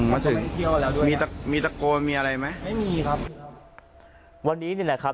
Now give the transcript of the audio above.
มาถึงมีมีตะโกนมีอะไรไหมไม่มีครับวันนี้นี่แหละครับ